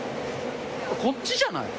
こっちじゃない？